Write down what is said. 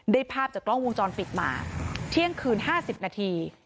ภาพจากกล้องวงจรปิดมาเที่ยงคืน๕๐นาที